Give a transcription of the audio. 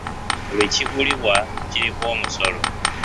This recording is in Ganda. Buli kigulibwa kiriko omusolo.